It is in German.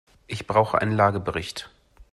Ich brauche einen Lagebericht.